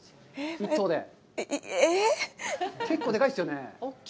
結構でかいですよね。